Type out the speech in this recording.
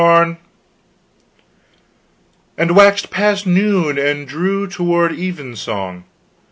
"and waxed past noon and drew toward evensong.